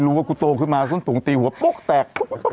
กูว่ากูโตขึ้นมาส้นถุงตีหัวปุ๊กแตก